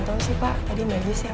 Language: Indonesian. permisi pak tadi melius ya pak